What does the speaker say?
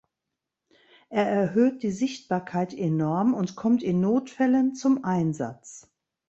Er erhöht die Sichtbarkeit enorm und kommt in Notfällen zum Einsatz.